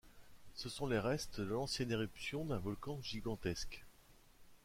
Ce sont les restes de l'ancienne éruption d'un volcan gigantesque.